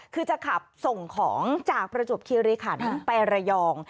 คือจะขับส่งของจากประจวบคิริขันไประยอง